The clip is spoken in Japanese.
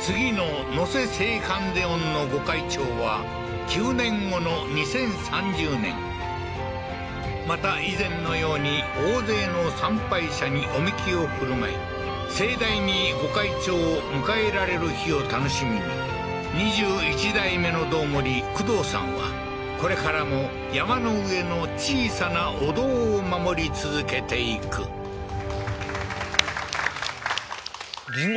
次の野瀬正観世音の御開帳は９年後の２０３０年また以前のように大勢の参拝者にお神酒を振る舞い盛大に御開帳を迎えられる日を楽しみに２１代目の堂守工藤さんはこれからも山の上の小さなお堂を守り続けていくりんご